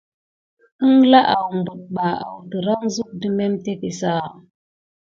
Əŋgla awɓəɗ ɓa awdəran zuk də memteke sa?